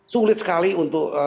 sungguh sekali untuk